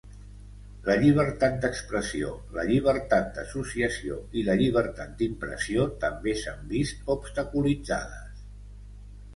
La llibertat d'expressió, la llibertat d'associació i la llibertat d'impressió també s'han vist obstaculitzades.